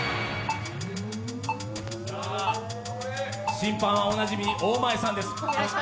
審判はおなじみ、大前さんです。